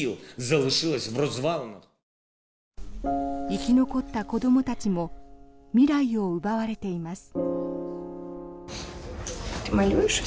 生き残った子どもたちも未来を奪われています。